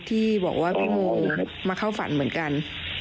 ที่บอกว่าพี่โมมาเข้าฝันเหมือนกัน